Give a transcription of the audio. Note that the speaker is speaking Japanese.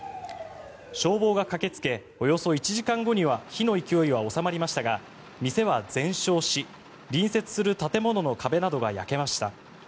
消防が駆けつけおよそ１時間後には火の勢いは収まりましたが店は全焼し隣接する建物の壁などが焼けました。